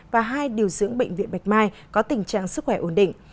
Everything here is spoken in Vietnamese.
và hai điều dưỡng bệnh viện bạch mai có tình trạng sức khỏe ổn định